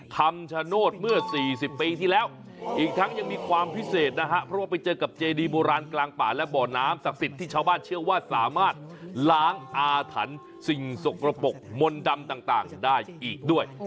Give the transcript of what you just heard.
คำชโนธเมื่อ๔๐ปีที่แล้วอีกทั้งยังมีความพิเศษนะฮะเพราะว่าไปเจอกับเจดีโบราณกลางป่าและบ่อน้ำศักดิ์สิทธิ์ที่ชาวบ้านเชื่อว่าสามารถล้างอาถรรพ์สิ่งสกระปกมนต์ดำต่างได้อีกด้วย